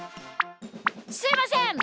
すいません！